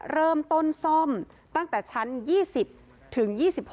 เริ่มต้นซ่อมตั้งแต่ชั้น๒๐ถึง๒๖